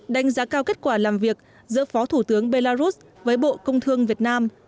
đánh giá cao kết quả làm việc giữa phó thủ tướng belarus với bộ công thương việt nam